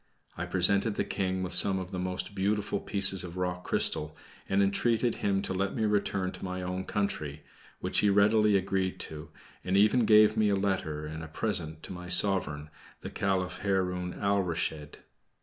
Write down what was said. I presented the King with some of the most beautiful pieces of rock crystal, and entreated him to let me return to my own country, which he readily agreed to, and even gave me a letter and a present to my sovereign, the Caliph Haroun Alrashid.